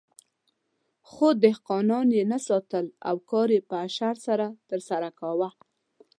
خو دهقانان یې نه ساتل او کار یې په اشر سره ترسره کاوه.